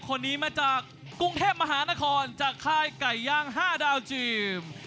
คนนี้มาจากกรุงเทพมหานครจากค่ายไก่ย่าง๕ดาวจีน